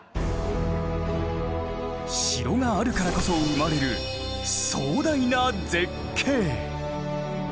城があるからこそ生まれる壮大な絶景。